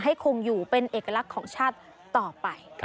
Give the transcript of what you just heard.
คงอยู่เป็นเอกลักษณ์ของชาติต่อไป